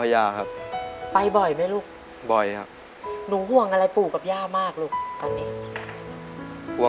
แย่กับหมอลก้าว